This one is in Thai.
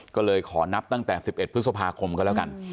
ก็เลยขอนับตั้งแต่๑๑พฤษภาคมก็แล้วกัน